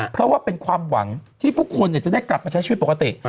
เพราะว่าเป็นความหวังที่ทุกคนจะได้กลับมาใช้ชีวิตปกติ